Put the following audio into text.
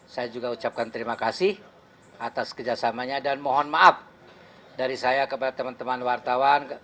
saya juga ucapkan terima kasih atas kerjasamanya dan mohon maaf dari saya kepada teman teman wartawan